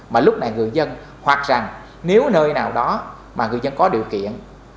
mà lúc này người dân hoặc rằng nếu nơi nào đó mà người dân có điều kiện